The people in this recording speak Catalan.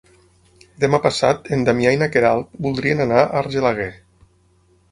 Demà passat en Damià i na Queralt voldrien anar a Argelaguer.